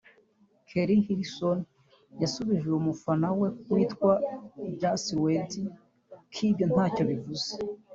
Keri Hilson yasubije uyu mufana we witwa Jalsweedie ko ibyo ntacyo bivuze